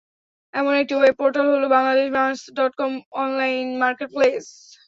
এমন একটি web portal হলো Bangladesh brands dot com online market place.